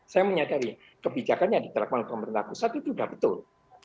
saya menyadari kebijakan yang diterapkan oleh pemerintah pusat itu sudah betul